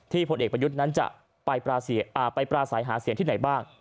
พลเอกประยุทธ์นั้นจะไปปราศัยหาเสียงที่ไหนบ้าง